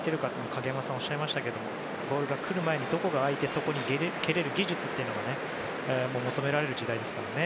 影山さん、おっしゃいましたけどボールが来る前にどこが空いてそこに蹴られる技術というのが求められる時代ですからね。